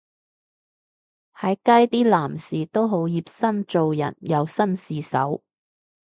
喺街啲男士都好熱心助人又紳士手